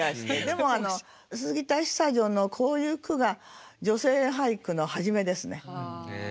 でも杉田久女のこういう句が女性俳句のはじめですね。